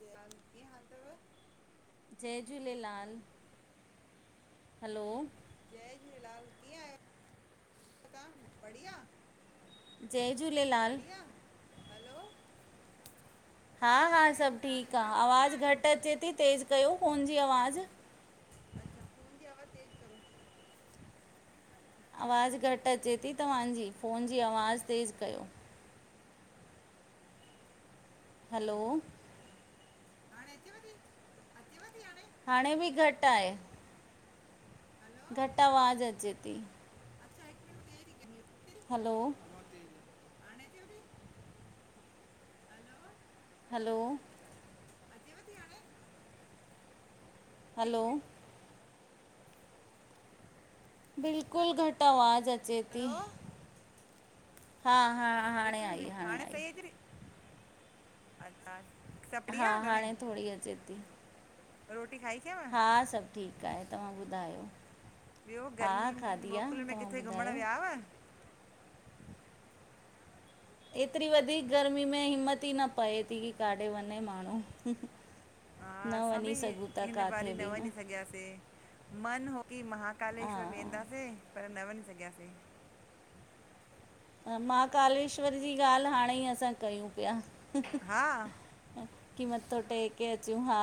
कीअं हाल तव? जय झूलेलाल! हलो! जय झूलेलाल! कीअं आयो तहां, बढ़िया? जय झूलेलाल! बढ़िया, हलो! हा हा, जय सभ झूलेलाल ठीक आ, रीता जी कीअं आवाज़ आहियो घट अचे ती, तेज़ कयो फ़ोन जी आवाज़। अच्छा, फोन जी आवाज़ तेज करो। अच्छा कयां थी आवाज़ पई घट अचे ती तव्हांजी, फ़ोन जी आवाज़ तेज़ कयो। हलो! हाणे अचेव ती, अचेव ती हाणे? हाणे बि घट आहे। हलो घट आवाज़ अचे ती। अच्छा, हिक मिंन्ट, ॿे हलो! हा तेज़ आ, हाणे अचेव ती? हलो! हलो! अचेव ती हाणे? हिकु हलो! मिंट बिल्कुल घट आवाज़ अचे ती। हलो हा हा, हाणे हिकु मिंट आई, बीहो। हाणे आई। सही अचे थी [unintelligible] हा, आहे घर में हाणे थोड़ी अचे ती। रोटी खाई ख्यंव? हा, सभ ठीक आहे, तव्हां ॿुधायो? ॿियो हा, गर्मियुनि जी खाधी आ, मोकिल में तव्हां किथे घुमण ॿुधायो? विया हुआ? एतरी वधीक गर्मी में, हिम्मत ई न पए ती की काॾे वञे माण्हूं। हा, असां बि हिन बारी किथे न बि वञी सघयासे। मन हो की महाकालेश्वर वेंदासे, हा पर न वञी सघियासे। महाकालेश्वर जी ॻाल्ह हाणे ई असां कयूं प्या। हा की मथो टेके अचूं, हा।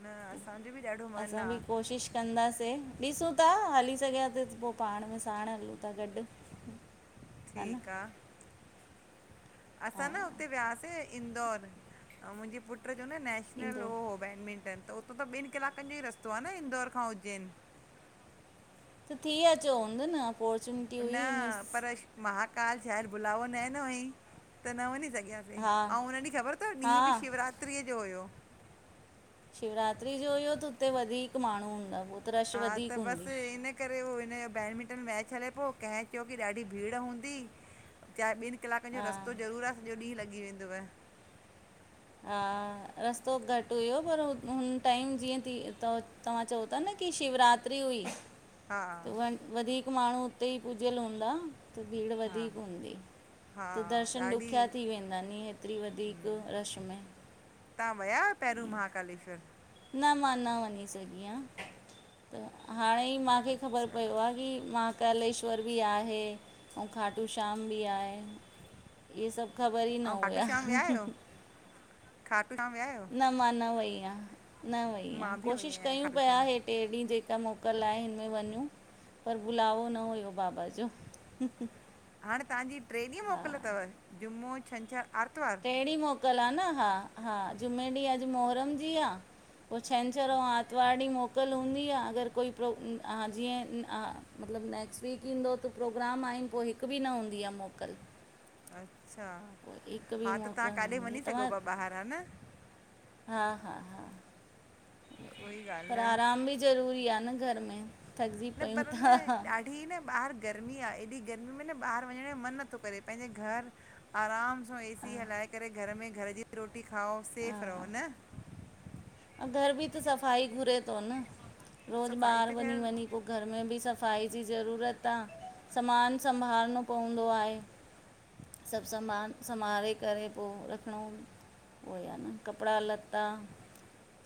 न असांजो बि ॾाढो मन असां आ, बि कोशिश कंदासे, ॾिसूं ता, हली सघियासे त पो पाण में साण हलूं ता, गॾ। ठीक आ, असां हा न हुते वियासे। इंदौर, औं मुंजे पुट्र जो न नैशनल ईंदो ओ हो बैडमिंटन, त उतों त ॿिन कलाकन जो ई रस्तो आ न, इंदौर खां उज्जैन। त थी अचो हूंदो न, अपॉर्चुनिटी न हुई, मिस पर महाकाल शायद बुलावो न ॾिनो हुअईं, त न वञी सघयास। अरे! हा औं उन ॾींह ख़बर तव, ॾींंह बि हा शिवरात्रीअ जो हुयो। शिवरात्री जो हुयो, त उते वधीक माण्हूं हूंदा पो। हा, त बस इन इन करे, हू हिनजो बैडमिंटन मैच हले पो, कंहिं च्यो की ॾाढी भीड़ हूंदी चाए ॿिनि कलाकनि जो हा रस्तो ज़रूर आ सॼो ॾींहुं लॻी वेंदव। हा रस्तो घटि हुयो पर हू हुन टाइम जीअ तीअं त तव्हां चओ ता न की शिवरात्री हुई हा व वधीक माण्हू उते ई पूज्यल हूंदा, त भीड़ हा वधीक हूंदी। हा त दर्शन ॾाढी ॾुखिया थी वेंदा आहिन नी हेतिरी वधीक रश में तां वया हुयो पहिरियों महाकालेश्वर? न मां न वञी सघी आ, त हाणे ई मां खे ख़बर अच्छा पयो आहे मां कालेश्वर बि आहे अऊं खाटू श्याम बि आहे। ऐं सभु ख़बर ई ऐं न खाटू हुया। श्याम विया आहियो खाटू श्याम विया आहियो? न मां न वई अहियां, न वई अहियां, मां बि वई कोशिशि आहियां कयूं खाटू पिया श्याम हे टे ॾींहुं जेका मो कल आहे हिन में वञूं, पर बुलावो न हुयो बाबा जो। हाणे तव्हांजी ट्रे ॾींहुं मोकल हा तव जुमो, छंछर, आरतवार। एहिड़ी मोकल आ न, हा हा जुमें ॾींहुं अॼु मोहरम जी आ। पो छंछर अऊं आतवार ॾींहुं मोकल हूंदी आ अॻरि कोई प्रो जीअं अ मतिलबु नैक्स्ट वीक ईंदो त प्रोग्राम आहिनि, पो हिकु बि न हूंदी आ मोकल। अच्छा, पोइ हिक बि हा त तां मोकल न काॾे हूंदी आहे वञी सघो तव्हां पा ॿाहिरि हा न। हा हा हा कोई ॻाल्हि न पर आ। आराम बि ज़रूरी आ न घर में, थकजी न पयूं पर न ता। ॾाढी न ॿाहिरि गर्मी आ एॾी गर्मी में न ॿाहिरि वञणु जो मन नथो करे पंहिंजे घर आराम सां ए-सी हलाए करे घर में घर जी रोटी खाओ, सेफ रहो न। अ घर बि त सफ़ाई घुरे तो न, रोज़ु सफ़ाई ॿाहिरि त वञी ख़ैर वञी पो घर में बि सफ़ाई जी ज़रूरत आ समान संभालणो पवंदो आहे। सभु समान संभाले करे पो रखिणो उहोइ आ न, कपिड़ा लता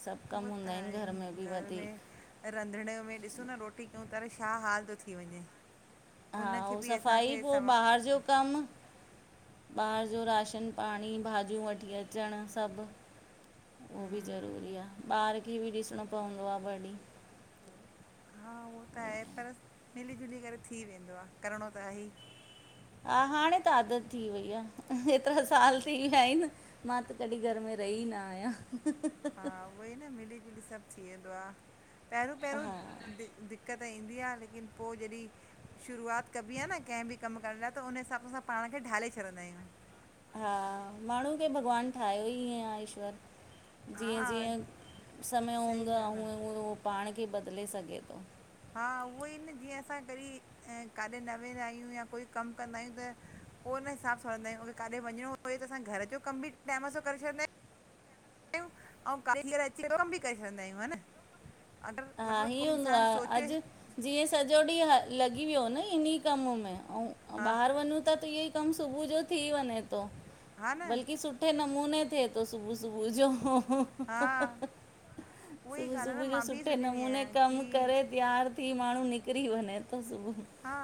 सभु कम उहो हूंदा त घर में आहिनि, बि घर में वधीक रंधिणे में ॾिसूं न रोटी कयूं त, छा हाल तो थी वञे। हा उनखे हो बि सफ़ाई असांखे पो सवा ॿाहिरि जो कमु ॿाहिरि जो राशन पाणी भाॼियूं वठी अच। अचणु सभु, उहो बि हम्म, ज़रूरी आ, ॿार खे बि ॾिसणो पवंदो आ ॿॾी। हूअ त आहे, पर मिली जुली करे थी वेंदो आ, करिणो त आहेइ। हा हाणे त आदत थी वई आ, हेतिरा साल थी विया आहिनि। मां त कॾी घर में रही न आहियां। हा उवई न मिली जुली सभु थी वेंदो आ, पहिरियों पहिरियों हा दि दि दिक्क़त ईंदी आ, लेकिन पो जॾी शुरूआति कॿी आ न कंहिं बि कमु करणु लाइ त, उन हिसाब सां पाण खे ढाले छॾींदा आहियूं। हा, माण्हू खे भॻवानु ठायोई इएं आ ईश्वर। जीअं हा जीअं समय सही हूंदो आ, ॻाल्हि आहे हूअं हूअं उहो पाण खे बदिले सघे तो। हा उवोई न जीअं असां कॾी काॾे न वेंदा आहियूं या कोई कमु कंदा आहियूं त पो हुन हिसाब सां हलंदा आहियूं, अॻरि काॾे वञणो हुजे त असां घर जो कमु बि टेम सां करे छॾंदा आहियूं। आयूं, अऊं काॾे अची करे कमु बि करे छॾंदा आहियूं ह न। अॻरि मतिलबु कोई इंसान सोचे जीएं, सॼो ॾींह ह लॻी व्यो न इनीअ कम में। अऊं, हा ॿाहर वञू ता त इहो ई कम सुभू जो थी वञे तो, हा न बल्कि सुठ् सुठे नमूने थे तो सुभू सुभू जो। हा, उहई सुबुह ॻाल्ह आ सुबुह न, जो मां बि सुठे सोचींदी नमूने आहियां कम की करे, तियार थी माण्हूं निकरी वञे तो, सुभू। हा,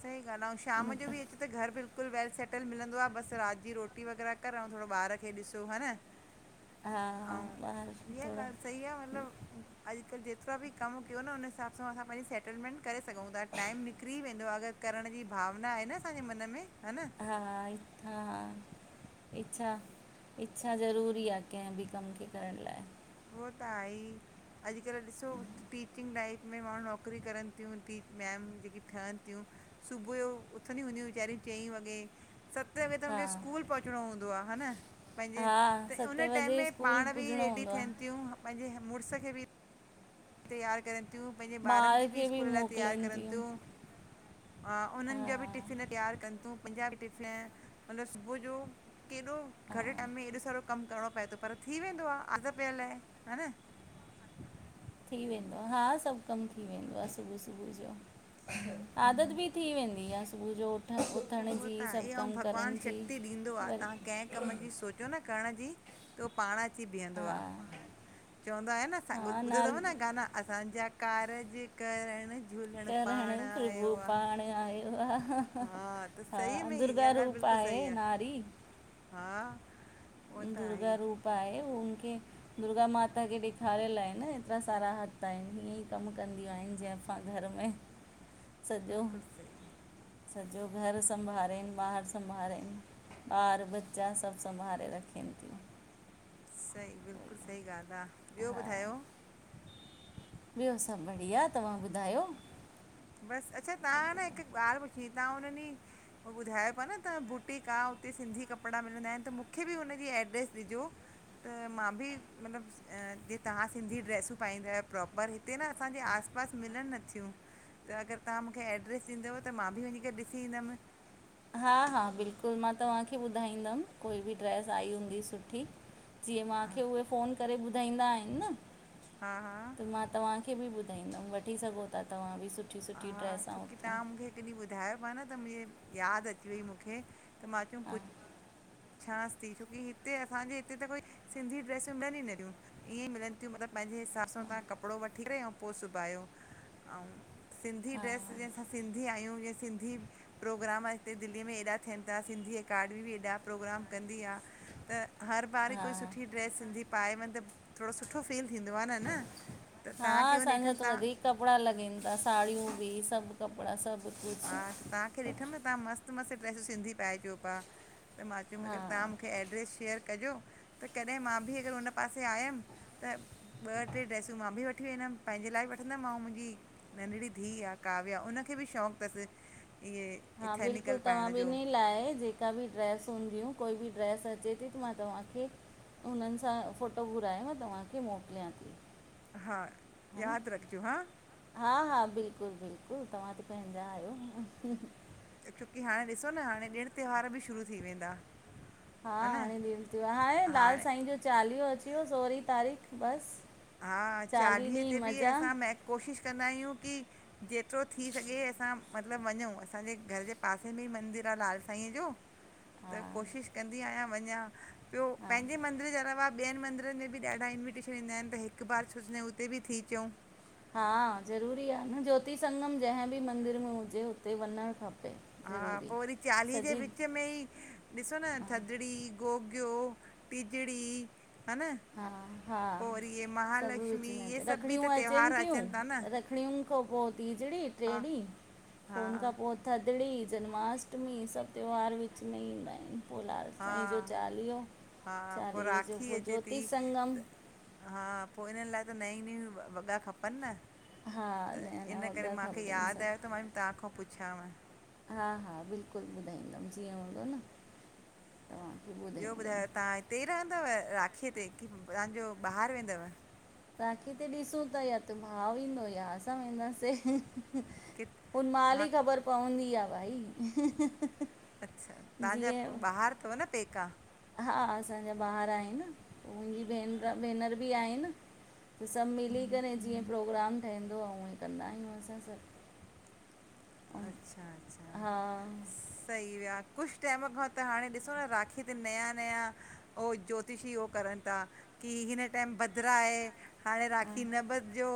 सही ॻाल्ह आ, अऊं शाम जो बि अच त घर बिल्कुल वेल सेटल मिलंदो आ, बस रात जी रोटी वग़ैरा कर, औं थोरो ॿार खे ॾिसो, हा न? हा अऊं, ॿार इीअ थोरो ॻाल्ह सही आ, मतलब अॼकल्ह जेतरा बि कम क्यो न, उन हिसाब सां असां पंहिंजी सेटलमेंट करे सघूं ता। टाइम निकरी वेंदो, अगर करण जी भावना आहे न असांजे मन में, हा न? हा हा हा इच्छा, इच्छा ज़रूरी आ, कंहिं भी कम खे करण लाइ। उहो त आहेई, अॼकल्ह ॾिसो टीचिंग लाइ में माण्हूं नौकरी करन त्यूं, टीच, मैम जेकी ठहन त्यूं सुबूह जो उथंदी हूंदयूं वेचारयूं चईं वॻे। सतें बजे त हुनन हा खे स्कूल पहुचणो हूंदो आ, हा न? पैंजे, हा त उन सते टाइम वजे में स्कूल पाण बि पुॼणो रेडी हूंदो थियन आहे त्यूं, पैंजे मुड़स खे बि तैयार करन त्यूं, पैंजे ॿारन ॿार खे बि स्कूल लाइ तैयार मोकिलीनि करन थियूं त्यूं। उन्हन हा जा बि टिफ़िन तैयार कन त्यूं, पंजा टिफ़िन मतलब सुबूह जो केॾो घट हा टाइम में एॾो सारो कम करणो पै तो, पर थी वेंदो आ, आदत पयल आहे, हा न? थी वेंदो आ, हा सभ कम थी वेंदो आ, सुभू सुभू जो। आदत बि थी वेंदी आ, सुबभू जो उथण उहो त जी सभु आहे, अऊं कमु भॻवान करण जी शक्ति ॾींदो आ, तहां वरी कंहिं कम जी सोच्यो न करण जी तो पाण अची बीहंदो हा आ, चवंदा आयो न, हा ॿुधो नार तव न गाना? असांजा कारज करण करण प्रभु पाण आयो आ। हा त हा, सही में ई इहा दुर्गा ॻाल्हि रूप बिल्कुलु आहे, सही नारी! हा उहो त आहे दुर्गा ई रूप आहे, हुनखे दुर्गा माता खे ॾेखारयल आहे न। केतरा सारा हथ आहिन, हीअंईं कम कंदयूं आहिन जाइफां घर में। सॼो बिल्कुलु सही सॼो घर संभारेन, ॿाहर संभारेन, ॿार ॿच्चा सभ संभारे रख सही बिल्कुल सही ॻाल्ह आ, ॿयो ॿुधायो? ॿयो सभ बढ़िया, तव्हां ॿुधायो? बस, अच्छा तां सभु न हिक बढ़िया। ॻाल् पुछणी? तां उन ॾीं हो, ॿुधायो पा न, त बुटीक आ, उते सिंधी कपड़ा मिलंदा एन, त मूखे बि उनजी एड्रेस ॾिजो? त, मां भी मतलब जीअं तहां सिंधी ड्रेसूं पाईंदायो प्रोपर, हिते न असांजे आस पास मिलन नथयूं। थ्यूं, त अगर तहां मूखे एड्रेस ॾींदव, त मां बि वञी करे ॾिसी ईंदम। हा हा, बिल्कुल मां तव्हांखे ॿुधाईंदम, कोई भी ड्रैस आई हूंदी सु सुठी, जीअं माखे उहे फ़ोन करे ॿुधाईंदा एन न। हा हा त, मां तव्हांखे बि ॿुधाईंदम, वठी सघो ता तव्हां बि सुठ हा, छोकी तहां मूखे ॿुधायो पिया न मुंखे त याद अची वई मुखे त मां चयुम हा पुछ पुछांस थी छोकी हिते असांजे हिते त कोई सिंधी ड्रेसियूं मिलन ही नथियूं ईअं मिलन थियूं मतलब पंहिंजे हिसाब सां तां कपड़ो वठी करे अऊं पो सुबायो अउं सिंधी हा ड्रेस जीअ असां सिंधी आहियूं जीअं सिंधी प्रोग्राम हिते दिल्ली में एॾा थियन था सिंधी एकाडमी बि एॾा प्रोग्राम कंदी आ त हर बार हिक हा सुठी ड्रैस सिंधी पाए वञ त थोड़ो सुठो फील थींदो आ न, न त तव्हांखे हू ॾिठन तां कपड़ा लॻन था साड़ियूं भी सब कपड़ा सब कु हा त तां खे ॾिठम न तव्हां मस्त मस्त ड्रेस सिंधी पाइजो पिया त मां चयम हा अगर तां मुंखे एड्रेस शेयर कजो त कॾहिं मां भी अगर हुन पासे आयम त ॿ टे ड्रैसूं मां बि वठी वेंदम पंहिंजे लाए बि वठंदम ऐं मुंहिंजी नंढड़ी धीअ आ काव्या उनखे बि शौक़ थस इए हा बिल्कुल तव्हां ॿिन्हनि लाए जे नवि ड्रैस हूंदियूं कोई बि ड्रैस अचे थी त मां तव्हांखे हुनन सां फोटो घुराए मां तव्हांखे मोकलियां थी हा हा न याद रखजो हां हा हा बिल्कुल बिल्कुल तव्हां त पंहिंजा आहियो छोकी हाणे ॾिसो न हाणे ॾिण त्योहार भी शुरू थी वेंदा हा हाणे ॾिण त्योहार, हा हाणे लाल साईं जो चालीहो अची वियो सोरहीं तारीख़ बस हा चालीहे ते भी असां मेन कोशिश कंदा आहियूं की जेतरो थी सघे असां मतलब वञउं, असांजे घर जे पासे में ई मंदिर आ लाल साईंअ जो हा त कोशिश कंदी आहियां वञा ॿियो हा पंहिंजे मंदिर जे अलावा ॿियन मंदिरन में बि ॾाडा इंविटेशन ईंदा आहिन त हिक बार सोचंदा आहियूं हुते बि थी अचऊं हा ज़रूरी आ न ज्योति संगम जंहिं भी मंदर में हुजे हुते वञण खपे हा ज़रूरी पो वरी चालीह जे सॼी विच में ई ॾिसो न हा थधड़ी गोगियो टीजड़ी हा न हा हा पो वरी ए सभु विच महालक्ष्मी में इहे सभ भी त त्योहार अचन था न रखिणिन खां पो टीजड़ी ट्रे हा ॾींहं हा हुन खां पो थदड़ी जन्माष्टमी सब त्योहार विच में ईंदा आहिन पो लाल साईं जो हा चालीहो, हा पोइ चालीह जो राखी पो अचे थी ज्योति संगम त हा पो इन्हन लाए त नय नयूं वॻा खपन न हा नया त नया इन करे वॻा मां खे खपनि याद आयो त मां सभु तव्हां खां पुछयांव हा हा बिल्कुल ॿुधाईंदम जीअं हूंदो न तव्हांखे ॿियो ॿुधाईंदमि ॿुधायो तां हिते ई रहंदव राखीअ ते की तहांजो ॿाहर वेंदव राखी ते ॾिसूं था या त भाव ईंदो या असां वेंदासे किथे उन माल हा ई ख़बर पवंदी आ भाई अच्छा तांजा जीअं ॿाहर थव न पैका हा असांजा ॿाहर आहिन मुंहिंजी भेन भेनर भी आहिन सभ मिली करे जीअं प्रोग्राम ठहींदो आ उएंं कंदा आहियूं असां सभ अच्छा अच्छा सही विया कुछ टाइम खां त हाणे ॾिसो न राखीअ ते नया नया ओ ज्योतिषी उहो करन था की हिन टाइम भदरा आहे हाणे हा राखी न बधजो,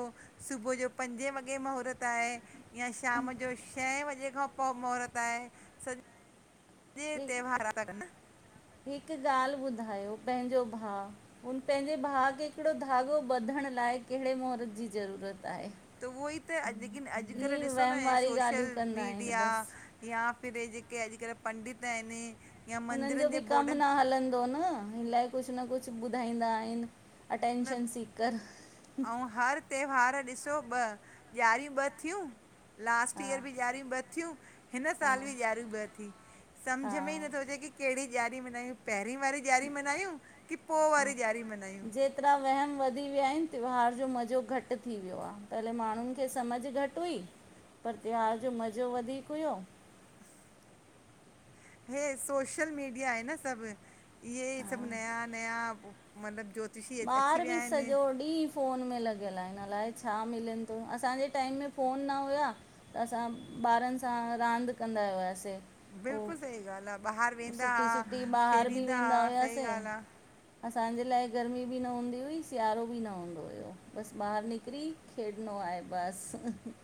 सुबुह जो पंजे वॻे महूरत आहे यां शाम जो छहें वजे खां पो महूर्तु आहे। जीअं हि- त्योहार आ ता कन। हिकु ॻाल्हि ॿुधायो, पंहिंजो भाउ हुन पंहिंजे भाउ खे हिकिड़ो धाॻो ॿधण लाइ कहिड़े महूर्तु जी ज़रूरत आहे? त उहो ई त, लेकिन अॼुकल्ह इहे ई ॾिसो न वहम हे वारी सोशल ॻाल्हियूं कंदा आहिनि मीडिया बसि या फिर हे जेके अॼुकल्ह पंडित आहिनि या हुननि जो मंदरनि बि जे कमु न बोर्डनि हलंदो न इनलाई कुझु न कुझु ॿुधाईंदा आहिनि। अटैेंशन सीकर। आऊं हर त्योहार ॾिसो ॿ, ॾियारी ॿ थियूं लास्ट हा ईयर बि ॾियारी ॿ थियूं हिन हा साल बि ॾियार्यू ॿ थी, हा सम्झ में ई नथो अचे की कहिड़ी ॾियारी मल्हायूं पहिरीं वारी ॾियारी मल्हायूं की पोइ वारी ॾियारी मल्हायूं? एतिड़ा वहम वधी विया आहिनि त्योहार जो मज़ो घटि थी वियो आहे, पहले माण्हुनि खे सम्झि घटि हुई पर त्योहार जो मज़ो वधीकु हुयो। हे सोशल मीडिया आहे न सभु, इहे ई सभु हा नया-नया मतिलबु जो ॿारु बि सॼो ॾींहुं फो़नु में लॻियल आहिनि अलाए छा मिलेनि थो, असांजे टाइम में फ़ोनु न हुया त असां ॿारनि सां रांदि कंदा हुआसीं। बिल्कुलु सही ॻाल्हि आहे ॿाहिरि पो वेंदा हुआ सुठी-सुठी ॿाहिरि बि खेॾींदा वेंदा हुआ सही हुआसीं। ॻाल्हि आहे असांजे लाए गर्मी बि न हूंदी हुई, सियारो बि न हूंदो हुयो, बसि ॿाहिरि निकिरी खेॾिणो आहे बसि। [inaudible]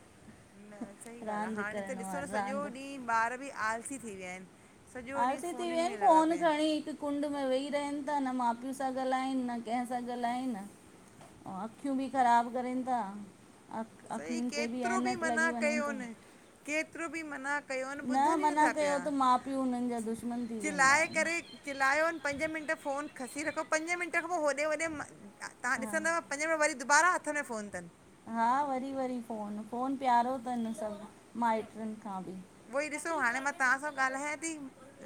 न सही ॻाल्हि आहे, रांदि हाणे त करिणो ॾिसो आहे न सॼो रांदि ॾींहुं ॿारु बि आलसी थी विया आहिनि। सॼो ॾींहुं आलसी थी फ़ोनुनि विया आहिनि में लॻा फ़ोनु पिया आहिनि खणी त कुंड में वेही रहनि था न माउ पीउ सां ॻाल्हाइनि न कंहिं सां ॻाल्हाइनि। अखियूं बि ख़राब करीन था। सही अख-अखियुनि ते बि केतिरो ऐनक मना लॻी वञेनि थो। कयोनि केतिरो बि मना कयूंनि न ॿुधनि ई मना नथा कयो पिया, त माउ पीउ हुननि जा दुश्मन थी वेंदा चिल्लाए आहिनि करे चिल्लायोनि, पंज मिंट फ़ोनु खसी रखो, पंजे मिंट खां पोइ होॾे-होॾे तव्हां हा ॾिसंदव पंजे मिन्ट में वरी दुबारा हथ में फ़ोनु तनि। हा वरी-वरी फो़नु, फ़ोनु प्यारो तनि सभु माइट्रनि खां बि। उहोई ॾिसो हाणे मां तव्हां सां ॻाल्हायां थी,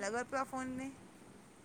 लॻो पियो आहे फ़ोनु में।